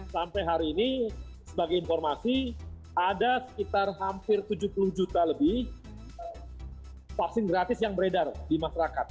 sampai hari ini sebagai informasi ada sekitar hampir tujuh puluh juta lebih vaksin gratis yang beredar di masyarakat